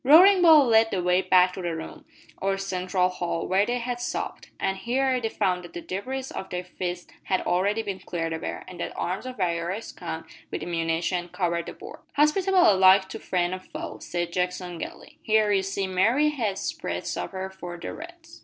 Roaring Bull led the way back to the room, or central hall, where they had supped, and here they found that the debris of their feast had already been cleared away, and that arms of various kinds, with ammunition, covered the board. "Hospitable alike to friend and foe," said Jackson gaily. "Here, you see, Mary has spread supper for the Reds!"